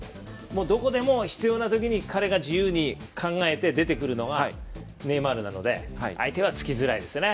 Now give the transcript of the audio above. どこでも必要な時に彼が自由に考えて出てくるのがネイマールなので相手は付きづらいですね。